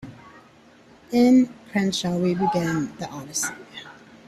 "In "Crenshaw" we began the odyssey.